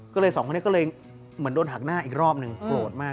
ก็เลยสองคนนี้ก็เลยเหมือนโดนหักหน้าอีกรอบหนึ่งโกรธมาก